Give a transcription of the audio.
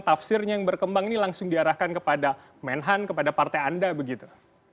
tafsirnya yang berkembang ini langsung diarahkan kepada menhan kepada partai anda begitu